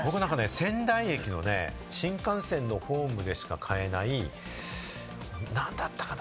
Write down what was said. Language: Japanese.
仙台駅の新幹線のホームでしか買えない、何だったかな？